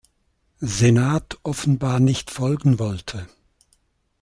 Senat offenbar nicht folgen wollte.